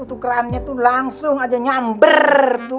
tukerannya tuh langsung aja nyamber